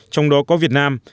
trong đó có việt nam